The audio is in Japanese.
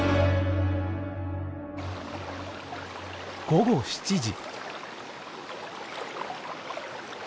午後７時。